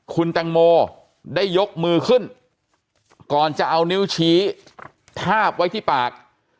คุณแตงโมได้ยกมือขึ้นก่อนจะเอานิ้วชี้ทาบไว้ที่ปาก